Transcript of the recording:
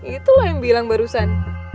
itulah yang bilang barusan